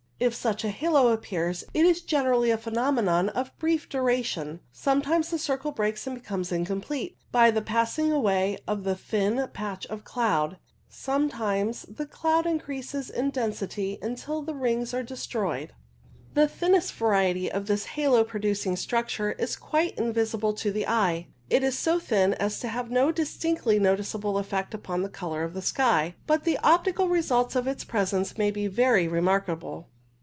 If such a halo appears, it is generally a phenomenon of brief duration. Sometimes the circle breaks and becomes incomplete by the passing away of the thin patch of cloud, sometimes the cloud increases in density until the rings are destroyed. 21 22 CIRRUS The thinnest variety of this halo producing structure is quite invisible to the eye. It is so thin as to have no distinctly noticeable effect upon the colour of the sky, but the optical results of its presence may be very remarkable.